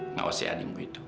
mau si adik